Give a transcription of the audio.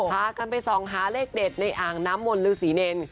พากันไปส่องหาเลขเด็ดในอ่างน้ำมนต์ฤษีเนร